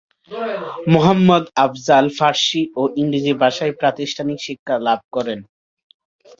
মুহাম্মদ আফজাল ফারসি ও ইংরেজি ভাষায় প্রাতিষ্ঠানিক শিক্ষালাভ করেন।